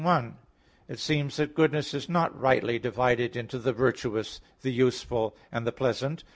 ] Objection 1: It seems that goodness is not rightly divided into the virtuous, the useful and the pleasant.